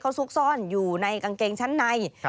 ซุกซ่อนอยู่ในกางเกงชั้นใน